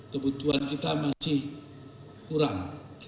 kebutuhan kita masih kurang